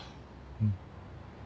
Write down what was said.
うん。